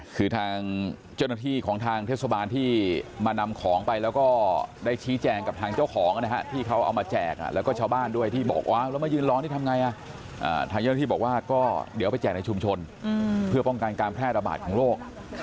คือทางเจ้าหน้าที่ของทางเทศบาลที่มานำของไปแล้วก็ได้ชี้แจงกับทางเจ้าของนะฮะที่เขาเอามาแจกแล้วก็ชาวบ้านด้วยที่บอกว่าแล้วมายืนรอนี่ทำไงทางเจ้าหน้าที่บอกว่าก็เดี๋ยวไปแจกในชุมชนเพื่อป้องกันการแพร่ระบาดของโรค